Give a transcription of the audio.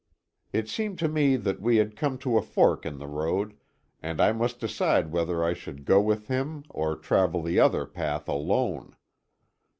It seemed to me that we had come to a fork in the road, and I must decide whether I should go with him, or travel the other path alone.